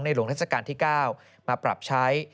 ในหลวงทัศกาลที่๙มาปรับใช้